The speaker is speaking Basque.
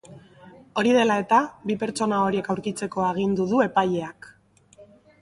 Hori dela eta, bi pertsona horiek aurkitzeko agindu du epaileak.